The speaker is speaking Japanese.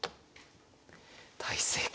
大正解。